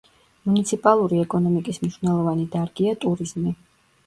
მუნიციპალური ეკონომიკის მნიშვნელოვანი დარგია ტურიზმი.